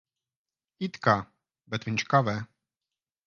It kā. Bet viņš kavē.